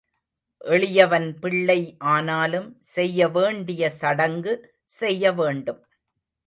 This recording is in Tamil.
எளியவன் பிள்ளை ஆனாலும் செய்ய வேண்டிய சடங்கு செய்ய வேண்டும்.